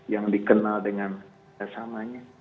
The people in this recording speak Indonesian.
yang dikenal dengan sesamanya